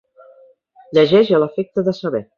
Llegeix a l'efecte de saber.